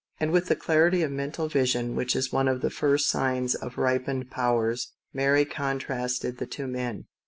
And with the clarity of mental vision which is one of the first signs of ripened powers, Mary contrasted the two men.